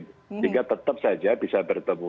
sehingga tetap saja bisa bertemu